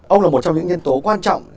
ông là một trong những nhân tố quan trọng